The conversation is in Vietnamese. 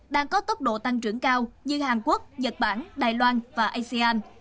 đang có tốc độ tăng trưởng cao như hàn quốc nhật bản đài loan và asean